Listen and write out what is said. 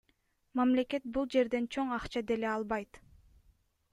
Мамлекет бул жерден чоң акча деле албайт.